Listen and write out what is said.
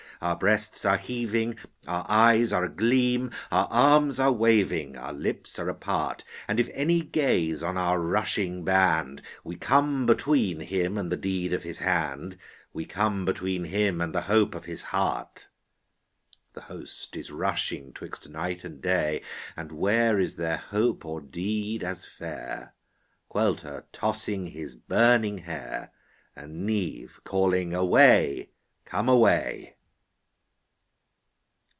Our breasts are heaving, our eyes are a gleam. Our arms are waving, our lips are apart; And if any gaze on our rushing band. We come between him and the deed of his We come between him and the hope of his heart. The host is rushing 'twixt night and day, And where is there hope or deed as fair? Caolte tossing his burning hair, And Niamh calling Away, come away.